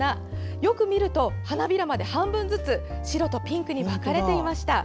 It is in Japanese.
よく見ると、花びらまで半分ずつ白とピンクに分かれていました。